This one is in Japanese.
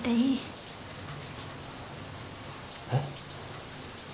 えっ？